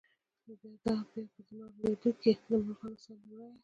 دابه بیا په لمر لویدوکی، دمرغانو سیل له ورایه”